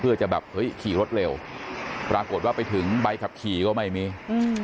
เพื่อจะแบบเฮ้ยขี่รถเร็วปรากฏว่าไปถึงใบขับขี่ก็ไม่มี